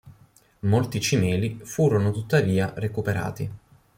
Molti cimeli furono tuttavia recuperati.